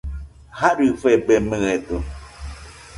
Jarɨfebemɨedɨo